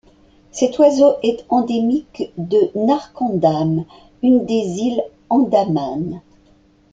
Cet oiseau est endémique de Narcondam, une des îles Andaman.